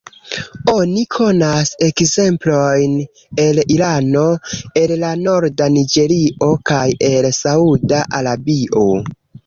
Oni konas ekzemplojn el Irano, el la norda Niĝerio, kaj el Sauda Arabio.